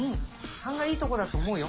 ３がいいとこだと思うよ。